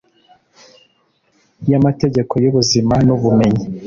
ya mategeko y'ubuzima n'ubumenyi